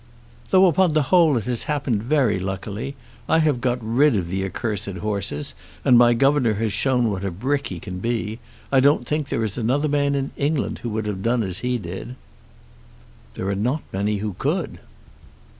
"Though upon the whole it has happened very luckily. I have got rid of the accursed horses, and my governor has shown what a brick he can be. I don't think there is another man in England who would have done as he did." "There are not many who could."